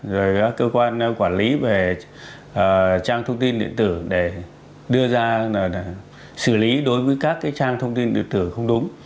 rồi các cơ quan quản lý về trang thông tin điện tử để đưa ra xử lý đối với các trang thông tin điện tử không đúng